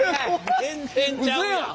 全然ちゃうやん！